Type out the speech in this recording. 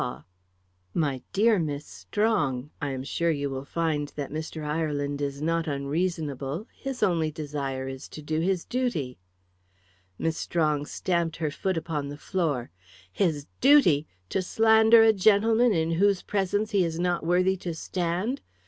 "My dear Miss Strong, I'm sure you will find that Mr. Ireland is not unreasonable. His only desire is to do his duty." Miss Strong stamped her foot upon the floor. "His duty! to slander a gentleman in whose presence he is not worthy to stand!